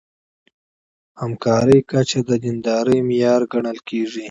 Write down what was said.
همکارۍ کچه د دیندارۍ معیار ګڼل کېږي.